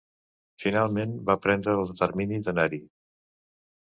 Finalment va prendre el determini d'anar-hi.